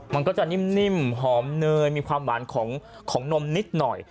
มันก็จะนิ่มหอมเนยมีความหวานของนมนิดหน่อย